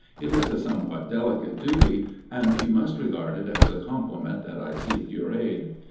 It is a somewhat delicate duty, and you must regard it as a compliment that I seek your aid.